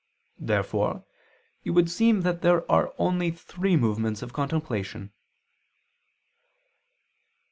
Therefore it would seem that there are only three movements of contemplation.